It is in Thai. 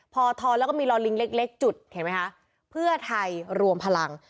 พอทอนแล้วก็มีรอลิงเล็กจุดเห็นไหมคะเพื่อไทยรวมพลัง